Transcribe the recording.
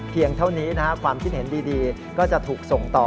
เท่านี้ความคิดเห็นดีก็จะถูกส่งต่อ